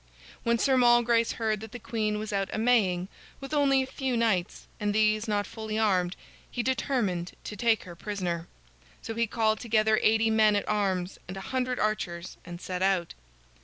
When Sir Malgrace heard that the queen was out a Maying with only a few knights, and these not fully armed, he determined to take her prisoner. So he called together eighty men at arms and a hundred archers, and set out.